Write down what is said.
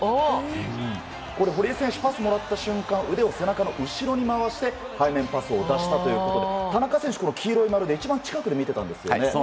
堀江選手、パスをもらった瞬間腕を背中に回して背面パスを出したということで田中選手、黄色い丸で一番近くで見てたんですよね。